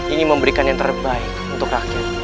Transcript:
ini memberikan yang terbaik untuk rakyatnya